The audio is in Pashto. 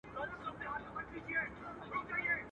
د اولس زړه به يې خوشاله کوئ